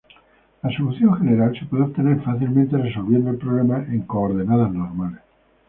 La solución general se puede obtener fácilmente resolviendo el problema en coordenadas normales.